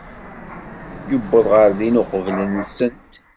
Yuweḍ ɣer din uqbel-nsent.